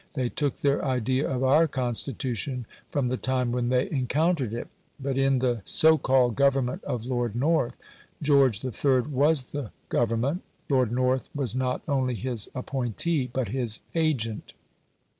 They took their idea of our Constitution from the time when they encountered it. But in the so called Government of Lord North, George III. was the Government. Lord North was not only his appointee, but his agent.